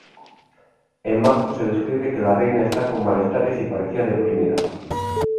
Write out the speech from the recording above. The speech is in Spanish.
En marzo, se describe que la reina está con malestares y parecía deprimida.